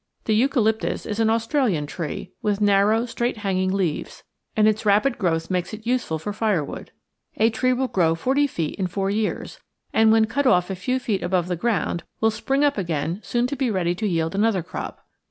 The eucalyptus is an Australian tree, with narrow straight hanging leaves, and its rapid growth makes it useful for firewood. A tree will grow forty feet in four years, and when cut off a few feet above the ground will spring up again and soon be ready to yield another crop.